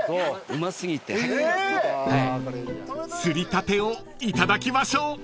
［釣りたてをいただきましょう］